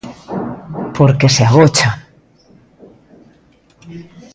Porque se agocha.